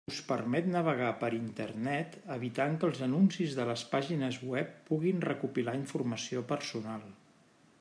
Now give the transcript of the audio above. Us permet navegar per Internet evitant que els anuncis de les pàgines web puguin recopilar informació personal.